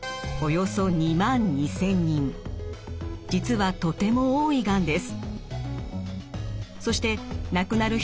実はとても多いがんです。